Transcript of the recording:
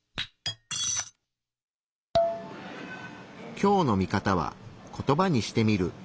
今日のミカタは「コトバにしてみる」。